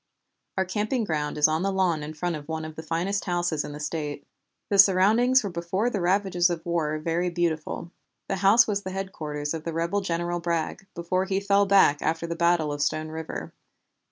"Our camping ground is on the lawn in front of one of the finest houses in the State. The surroundings were before the ravages of war very beautiful. The house was the headquarters of the rebel General Bragg, before he fell back after the battle of Stone River.